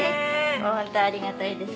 ホントありがたいです。